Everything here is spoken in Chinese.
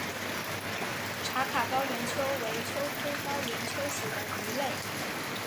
茶卡高原鳅为鳅科高原鳅属的鱼类。